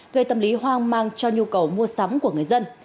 gây tâm lý hoang mang cho nhu cầu mua sắm của người dân